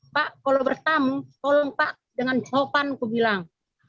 pak kalau bertamu tolong pak dengan jawaban aku bilang